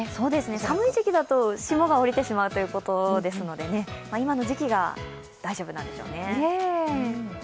寒い時期だと霜が降りてしまうということですので今の時期が大丈夫なんでしょうね。